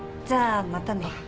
じゃあまたね。